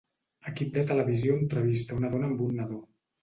Equip de televisió entrevista una dona amb un nadó.